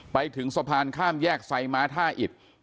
ไปถึงสะพานข้ามแยกไซม้าท่าอิด